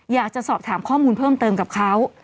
อยากจะสอบถามข้อมูลเพิ่มเติมกับเขา